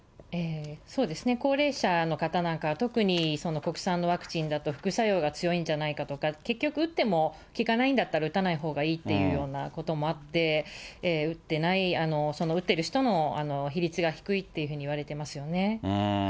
そうですね、高齢者の方なんかは特に国産のワクチンだと、副作用が強いんじゃないかとか、結局、打っても効かないんだったら打たないほうがいいっていうようなこともあって、打ってない、その打ってる人の比率が低いっていうふうにいわれてますよね。